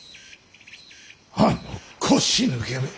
あの腰抜けめ。